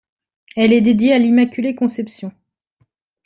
Elle est dédiée à l'Immaculée Conception.